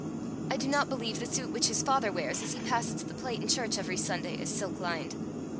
I do not believe the suit which his father wears as he passes the plate in church every Sunday is silk lined.